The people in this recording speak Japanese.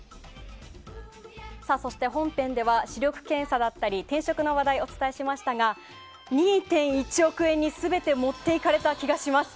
そして、本編では視力検査だったり転職の話題お伝えしましたが２．１億円に全て持っていかれた気がします。